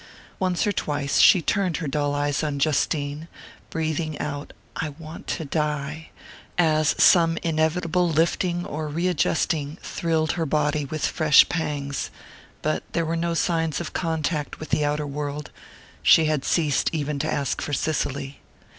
Once or twice she turned her dull eyes on Justine, breathing out: "I want to die," as some inevitable lifting or readjusting thrilled her body with fresh pangs; but there were no signs of contact with the outer world she had ceased even to ask for Cicely....